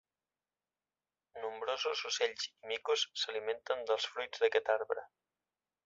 Nombrosos ocells i micos s'alimenten dels fruits d'aquest arbre.